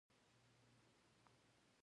ایا ستاسو بار به سپک نه وي؟